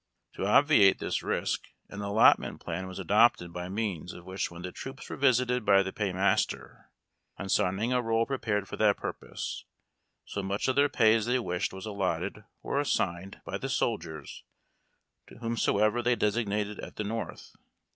To obviate this risk an " allotment " plan was adopted by means of which when the troops were visited by the pay master, on signing a roll prepared for that purpose, so much of their pay as they wished was allotted or assigned by the soldiers to whomsoever they designated at the North.